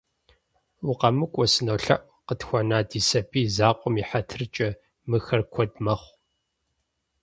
- УкъэмыкӀуэ, сынолъэӀу, къытхуэна ди сабий закъуэм и хьэтыркӀэ, мыхэр куэд мэхъу.